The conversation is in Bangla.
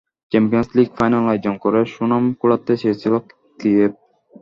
চ্যাম্পিয়নস লিগ ফাইনাল আয়োজন করে সুনাম কুড়াতে চেয়েছিল কিয়েভ।